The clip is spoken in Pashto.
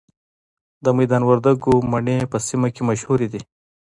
د میدان وردګو مڼې په سیمه کې مشهورې دي.